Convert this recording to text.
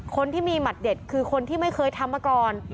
คนที่มีหลักที่เมืองมัดเจ็ดคือคนที่ทำไม่เคยมาก่อน